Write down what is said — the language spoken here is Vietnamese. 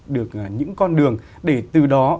được những con đường để từ đó